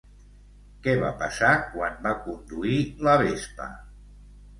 Què va passar quan va conduir la Vespa?